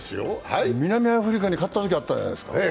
南アフリカに勝ったときがあったじゃないですか。